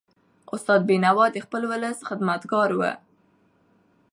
استاد بینوا د خپل ولس خدمتګار و.